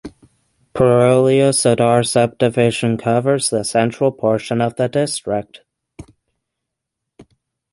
Purulia Sadar subdivision covers the central portion of the district.